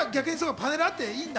パネルあっていいんだ。